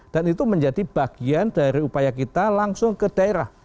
itu menjadi bagian dari upaya kita langsung ke daerah